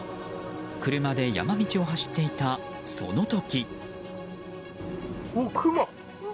車で山道を走っていたその時。